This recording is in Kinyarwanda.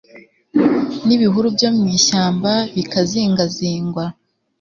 n ibihuru byo mu ishyamba bikazingazingwa